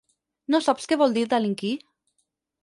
No saps què vol dir delinquir?